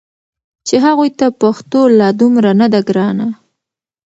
چې هغوی ته پښتو لا دومره نه ده ګرانه